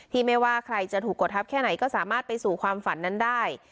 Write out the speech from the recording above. ไม่ว่าใครจะถูกกดทับแค่ไหนก็สามารถไปสู่ความฝันนั้นได้